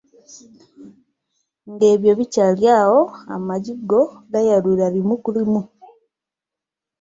Ng'ebyo bikyali awo, amaggi ggo gaayalula limu ku limu.